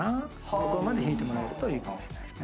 ここまで引いてもらえるといいかもしれないですね。